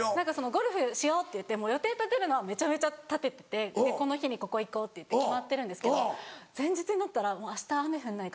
ゴルフしようって予定立てるのはめちゃめちゃ立てててこの日にここ行こうっていって決まってるんですけど前日になったら「あした雨降んないかな。